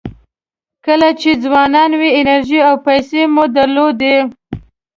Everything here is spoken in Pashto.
کله چې ځوانان وئ انرژي او پیسې مو درلودې.